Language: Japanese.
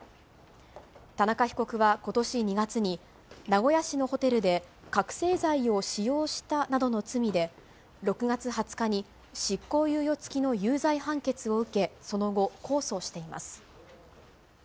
田中被告はことし２月に、名古屋市のホテルで覚醒剤を使用したなどの罪で、６月２０日に執行猶予付きの有罪判決を受け、その後、控訴しています。